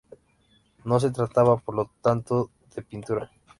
No se trataba, por lo tanto, de pintura.